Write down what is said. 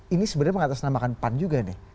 ini sebenarnya mengatasnamakan pan juga deh